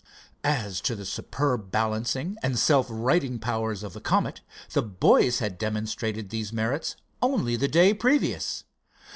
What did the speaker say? As to the superb balancing and self righting powers of the Comet, the boys had demonstrated these merits only the day previous.